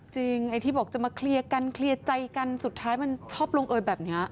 ไอ้ที่บอกจะมาเคลียร์กันเคลียร์ใจกันสุดท้ายมันชอบลงเอยแบบนี้